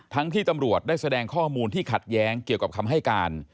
ที่ตำรวจได้แสดงข้อมูลที่ขัดแย้งเกี่ยวกับคำให้การ